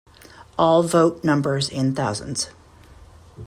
All vote numbers in thousands.